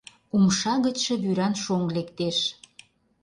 Умша гычше вӱран шоҥ лектеш...